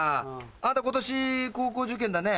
あんた今年高校受験だね。